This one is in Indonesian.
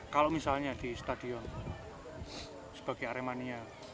kalau misalnya di stadion sebagai aremania